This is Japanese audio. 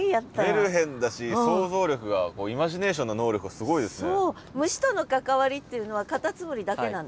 メルヘンだし想像力がイマジネーションの能力がすごいですね。